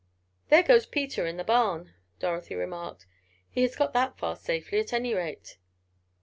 "There goes Peter in the barn," Dorothy remarked. "He has got that far safely, at any rate."